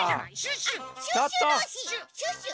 シュッシュの「し」。